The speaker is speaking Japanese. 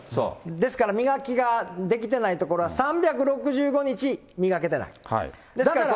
ですから、磨きができてない所は３６５日磨けてない。